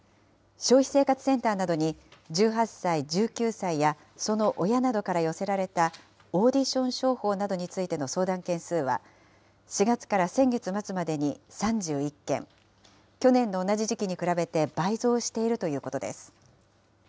消費生活センターなどに１８歳、１９歳やその親などから寄せられた、オーディション商法などについての相談件数は、４月から先月末までに３１件、去年の同じ時期に比べて倍増しているということです。